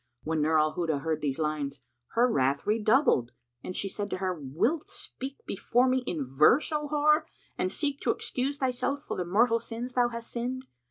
When Nur al Huda heard these lines, her wrath redoubled and she said to her, "Wilt speak before me in verse, O whore, and seek to excuse thyself for the mortal sins thou hast sinned?